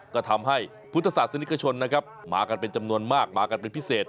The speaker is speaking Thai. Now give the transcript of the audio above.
ก็ทำให้พุทธศาสนิกชนนะครับมากันเป็นจำนวนมากมากันเป็นพิเศษ